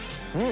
うん！